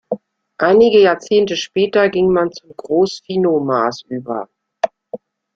Einige Jahrzehnte später ging man zum "Groß-Finowmaß" über.